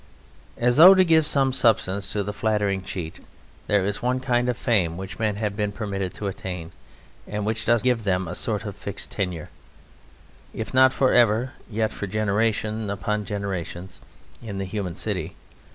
As though to give some substance to the flattering cheat, there is one kind of fame which men have been permitted to attain, and which does give them a sort of fixed tenure if not for ever, yet for generations upon generations in the human city.